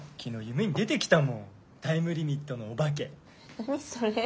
何それ？